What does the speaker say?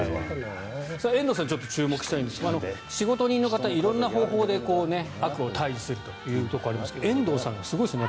遠藤さん注目したいんですが仕事人の方、色々な方法で悪を退治するというのがありますが遠藤さんはすごいですね。